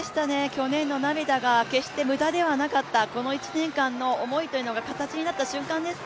去年の涙が決して無駄ではなかったこの１年間の思いというのが形になった瞬間です。